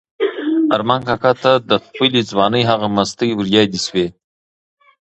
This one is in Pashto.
ارمان کاکا ته د خپلې ځوانۍ هغه مستۍ وریادې شوې.